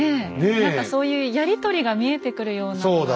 何かそういうやり取りが見えてくるようなのが。